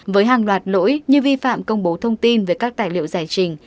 với hàng loạt lỗi như vi phạm công bố thông tin về các tài liệu giải trình